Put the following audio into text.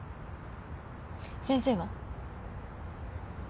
先生は？